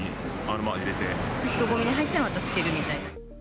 人混みに入ったらまた着けるみたいな。